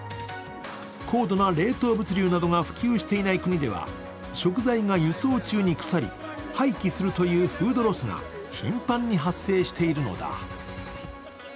高度な冷凍物量が普及していない国では食材が輸送中に腐り、廃棄するというフードロスが頻繁に発生しているのだ。